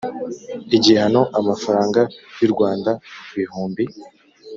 Igihano amafaranga y u rwanda ibihumbi